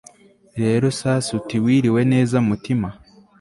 rero sasa uti wiriwe nez mutima